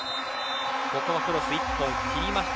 ここはクロス１本、切りました。